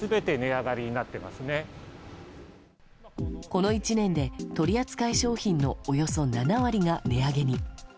この１年で取り扱い商品のおよそ７割が値上げに。